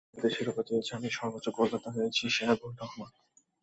Real Madrid শিরোপা জিতেছে, আমি সর্বোচ্চ গোলদাতা হয়েছি, সেরা গোলটাও আমার।